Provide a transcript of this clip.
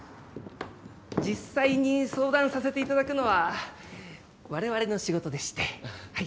実際に相談させていただくのは我々の仕事でしてはい。